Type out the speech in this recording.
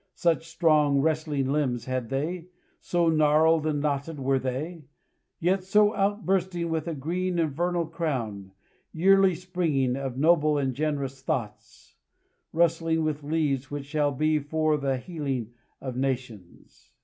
Such strong, wrestling limbs had they, so gnarled and knotted were they, yet so outbursting with a green and vernal crown, yearly springing, of noble and generous thoughts, rustling with leaves which shall be for the healing of nations.